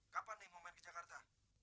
kapan nih mau main ke jakarta